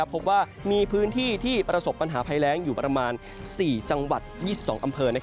พบว่ามีพื้นที่ที่ประสบปัญหาภัยแรงอยู่ประมาณ๔จังหวัด๒๒อำเภอ